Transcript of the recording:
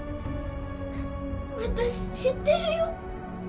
私知ってるよ